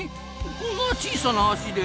こんな小さな足で？